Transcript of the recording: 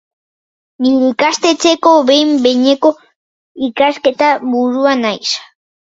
Nire ikastetxeko behin-behineko ikasketa-burua naiz.